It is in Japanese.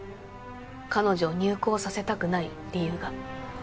彼女を入行させたくない理由が。